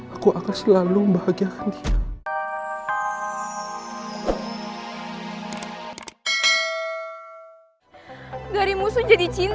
aku akan selalu bahagia dengan dia